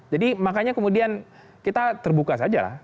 jadi makanya kemudian kita terbuka saja lah